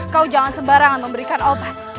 kau jangan sembarangan memberikan obat